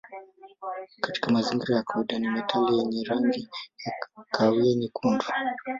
Katika mazingira ya kawaida ni metali yenye rangi ya kahawia nyekundu.